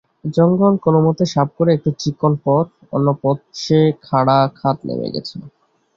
জঙ্গল কোনোমতে সাফ করে একটু চিকন পথ, অন্যপাশে খাড়া খাদ নেমে গেছে।